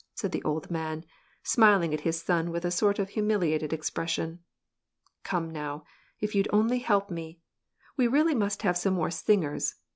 " said the old man, smiling it his son with a sort of humiliated expression. " Come now, f you'd only help me ! We really must have some more sing '^rs.